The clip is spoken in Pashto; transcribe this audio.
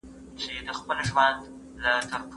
دا ناروغي یوازې د مور له لارې لېږدي.